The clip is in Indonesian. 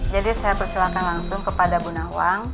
jadi saya persilakan langsung kepada ibu nawang